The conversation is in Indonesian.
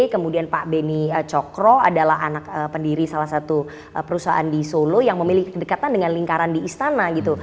kemudian pak beni cokro adalah anak pendiri salah satu perusahaan di solo yang memiliki kedekatan dengan lingkaran di istana gitu